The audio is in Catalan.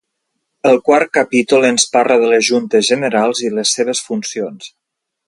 El quart capítol ens parla de les juntes generals i les seves funcions.